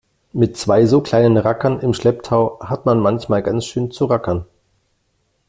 Mit zwei so kleinen Rackern im Schlepptau hat man manchmal ganz schön zu rackern.